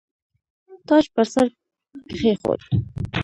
تاج پر سر کښېښود.